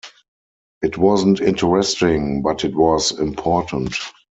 It wasn't interesting, but it was important.